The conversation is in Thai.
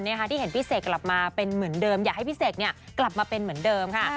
ที่เห็นพี่เสกกลับมาเป็นเหมือนเดิมอยากให้พี่เสกกลับมาเป็นเหมือนเดิมค่ะ